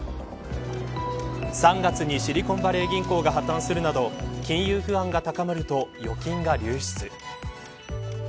３月にシリコンバレー銀行が破綻するなど金融不安が高まると預金が流出。